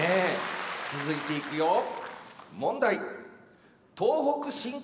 続いていくよ問題。